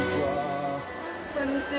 こんにちは。